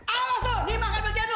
awas tuh ini emang hebatnya lu atau